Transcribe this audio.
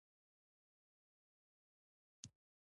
وزیران او وکیلان ورته ولاړ وي.